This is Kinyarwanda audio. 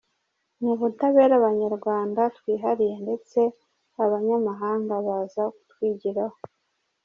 Ni ubutabera Abanyarwanda twihariye ndetse abanyamahanga baza kutwigiraho.